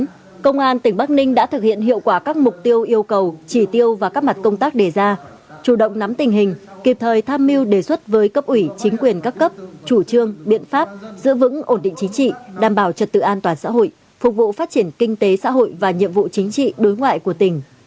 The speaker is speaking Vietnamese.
trong đó công an tỉnh bắc ninh đã thực hiện hiệu quả các mục tiêu yêu cầu chỉ tiêu và các mặt công tác đề ra chủ động nắm tình hình kịp thời tham mưu đề xuất với cấp ủy chính quyền các cấp chủ trương biện pháp giữ vững ổn định chính trị đảm bảo trật tự an toàn xã hội phục vụ phát triển kinh tế xã hội và nhiệm vụ chính trị đối ngoại của tỉnh